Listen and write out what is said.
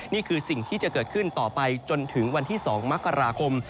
นี่คือสิ่งที่จะเกิดขึ้นต่อไปจนถึงวันที่๒มกราคม